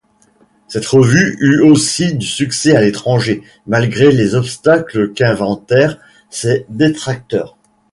Cette revue eut aussi du succès à l'étranger malgré les obstacles qu'inventèrent ses détracteurs.